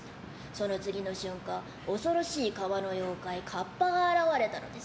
その次の瞬間、恐ろしい川の妖怪カッパが現れたのです。